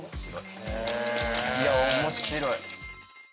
いや面白い。